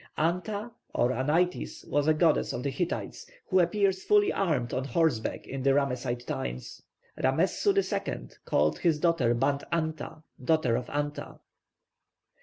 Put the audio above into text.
+Anta+, or +Anaitis+, was a goddess of the Hittites, who appears fully armed on horseback in the Ramesside times. Ramessu II called his daughter Bant anta, 'daughter of Anta.'